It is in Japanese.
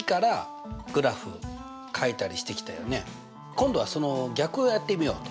今度はその逆をやってみようと。